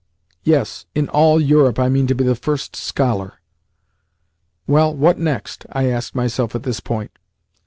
Yes, in all Europe I mean to be the first scholar. Well, what next?" I asked myself at this point.